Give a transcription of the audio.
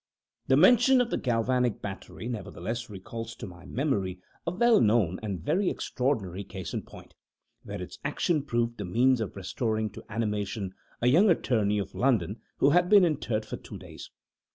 The mention of the galvanic battery, nevertheless, recalls to my memory a well known and very extraordinary case in point, where its action proved the means of restoring to animation a young attorney of London, who had been interred for two days.